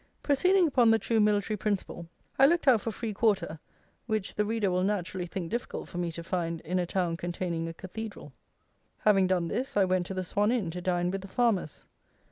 Proceeding upon the true military principle, I looked out for free quarter, which the reader will naturally think difficult for me to find in a town containing a Cathedral. Having done this, I went to the Swan Inn to dine with the farmers.